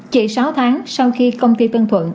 chỉ sáu tháng sau khi công ty tân thuận